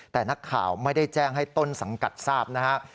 แต่นักข่าวไม่ได้แจ้งให้ต้นสังกัดทราบนะฮะ